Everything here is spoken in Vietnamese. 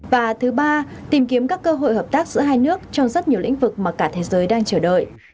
và thứ ba tìm kiếm các cơ hội hợp tác giữa hai nước trong rất nhiều lĩnh vực mà cả thế giới đang chờ đợi